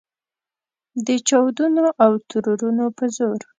د چاودنو او ترورونو په زور.